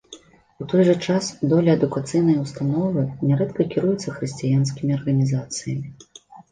У той жа час долі адукацыйныя ўстановы нярэдка кіруюцца хрысціянскімі арганізацыямі.